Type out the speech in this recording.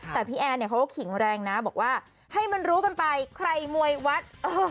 แต่พี่แอนเนี่ยเขาก็ขิงแรงนะบอกว่าให้มันรู้กันไปใครมวยวัด